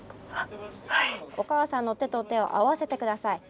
おかあさんの手と手を合わせて下さい。